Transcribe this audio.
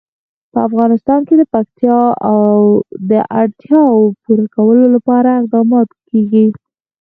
په افغانستان کې د پکتیا د اړتیاوو پوره کولو لپاره اقدامات کېږي.